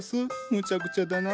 むちゃくちゃだな。